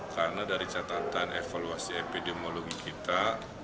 karena dari catatan evaluasi epidemiologi kita